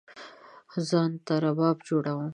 ځان ته رباب جوړوم